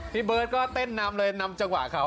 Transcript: พี่เบิร์ตก็เต้นนำเลยนำจังหวะเขา